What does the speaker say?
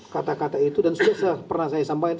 kata kata itu dan sudah pernah saya sampaikan